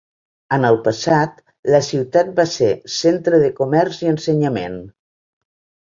En el passat, la ciutat va ser centre de comerç i ensenyament.